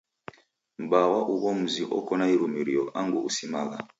M'baa wa ugho mzi oko na irumirio angu usimagha.